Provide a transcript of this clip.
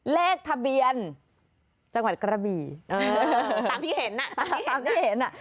เลขทะเบียนจังหวัดกระบี่ตามที่เห็นอ่ะตามที่เห็นอ่ะ